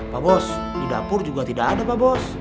pak bos di dapur juga tidak ada pak bos